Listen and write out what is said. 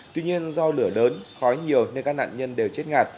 tuy nhiên do lửa lớn khói nhiều nên các nạn nhân đều chết ngạt